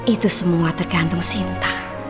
itu semua tergantung sinta